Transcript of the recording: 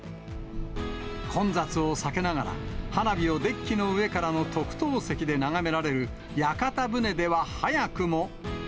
混雑を避けながら、花火をデッキの上からの特等席で眺められる、屋形船では早くも。